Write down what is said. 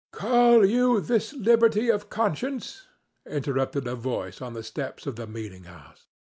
"Call you this liberty of conscience?" interrupted a voice on the steps of the meeting house.